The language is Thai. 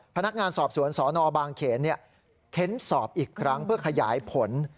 พนักงานสอบสวนสนบางเขนเค้นสอบอีกครั้งเพื่อขยายผล